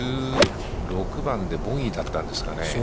１６番でボギーだったんですかね。